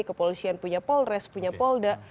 kepolisian punya polres punya polda